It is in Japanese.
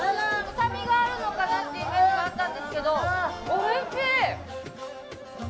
臭みがあるのかなってイメージがあったんですけど、おいしい！